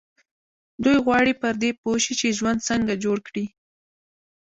دوی غواړي پر دې پوه شي چې ژوند څنګه جوړ کړي.